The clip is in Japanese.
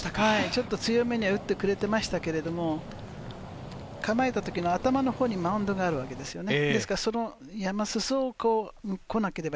ちょっと強めに打ってくれてましたけれど、構えた時の頭のほうにマウンドがあるわけですよね。